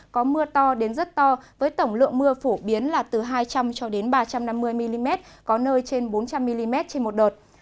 có mưa to đến rất to với tổng lượng mưa phổ biến là từ hai trăm linh cho đến ba trăm năm mươi mm có nơi trên bốn trăm linh mm trên một đợt